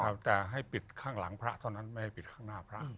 เอาแต่ให้ปิดข้างหลังพระเท่านั้นไม่ให้ปิดข้างหน้าพระ